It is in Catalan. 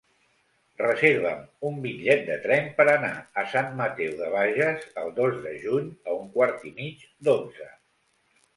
Reserva'm un bitllet de tren per anar a Sant Mateu de Bages el dos de juny a un quart i mig d'onze.